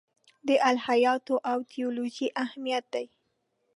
د الهیاتو او تیولوژي اهمیت دی.